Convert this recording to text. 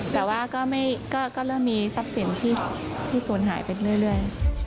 แต่ว่าก็เริ่มมีทรัพย์สินที่ศูนย์หายไปเรื่อย